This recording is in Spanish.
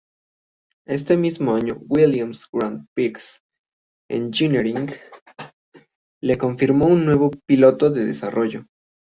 Este mismo año, Williams Grand Prix Engineering le confirmó como nuevo piloto de desarrollo.